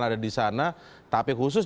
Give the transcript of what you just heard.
ada disana tapi khusus